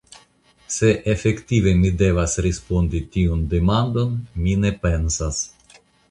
Se efektive mi devas respondi tiun demandon, mi ne pensas.